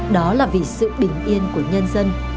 đó là vì sự bình yên của nhân dân